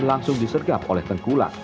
langsung disergap oleh tengkulak